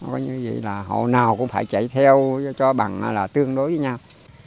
coi như vậy là hộ nào cũng phải chạy theo cho bằng là tương đối với nhau